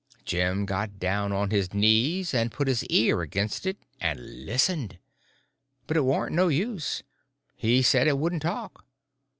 Jim got down on his knees, and put his ear against it and listened. But it warn't no use; he said it wouldn't talk.